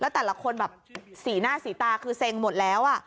แต่ละคนแบบสีหน้าสีตาคือเซ็งหมดแล้ว